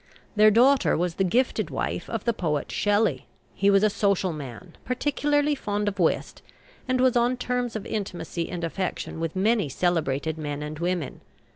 Their daughter was the gifted wife of the poet Shelley. He was a social man, particularly fond of whist, and was on terms of intimacy and affection with many celebrated men and women.